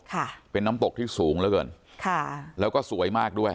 ค่ะเป็นน้ำตกที่สูงเหลือเกินค่ะแล้วก็สวยมากด้วย